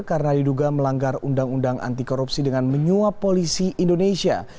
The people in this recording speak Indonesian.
karena diduga melanggar undang undang anti korupsi dengan menyuap polisi indonesia